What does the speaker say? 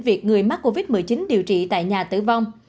việc người mắc covid một mươi chín điều trị tại nhà tử vong